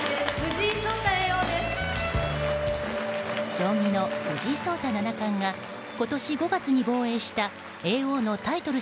将棋の藤井聡太七冠が今年５月に防衛した叡王のタイトル